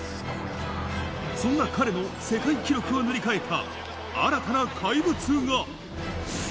そんな彼の世界記録を塗り替えた、新たな怪物が。